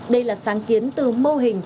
đây là sáng kiến từ mô hình